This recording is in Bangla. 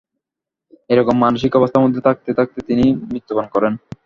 এইরকম মানসিক অবস্থার মধ্যে থাকতে থাকতেই তিনি মৃত্যুবরণ করেন।